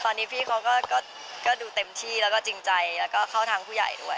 ตอนนี้พี่เค้าก็ดูเต็มที่และจริงใจเข้าทางผู้ใหญ่ด้วย